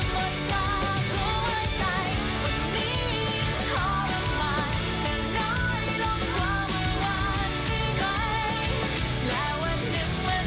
และวันนึกว่าสุดพบจะหายไป